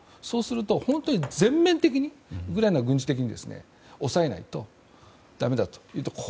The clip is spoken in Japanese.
そうすると本当に今、全面的にウクライナは軍事的に押さえないとだめだという。